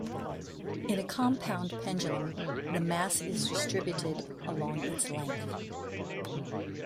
In a compound pendulum, the mass is distributed along its length.